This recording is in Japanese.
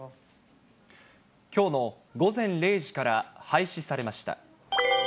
きょうの午前０時から廃止されました。